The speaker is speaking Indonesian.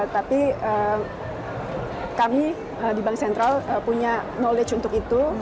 tapi kami di bank sentral punya knowledge untuk itu